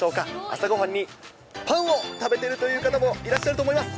朝ごはんにパンを食べてるという方もいらっしゃると思います。